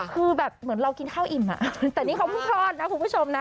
คือแบบเหมือนเรากินข้าวอิ่มแต่นี่เขาเพิ่งคลอดนะคุณผู้ชมนะ